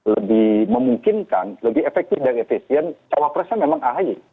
lebih memungkinkan lebih efektif dan efisien cawapresnya memang ahy